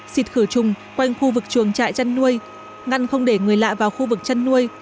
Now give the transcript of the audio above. xịt khử trùng quanh khu vực chuồng trại chăn nuôi ngăn không để người lạ vào khu vực chăn nuôi